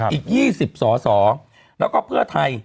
อีก๒๐สอสอแล้วก็เพื่อไทย